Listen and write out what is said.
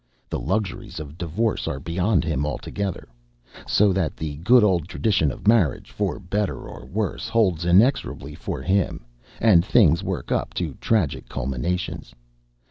The luxuries of divorce are beyond him altogether. So that the good old tradition of marriage for better or worse holds inexorably for him, and things work up to tragic culminations.